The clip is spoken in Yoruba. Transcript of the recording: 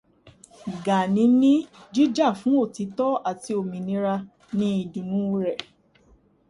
Gàní ni jíjà fún òtítọ̀ àti òmìnira ní ìdùnnú rẹ̀.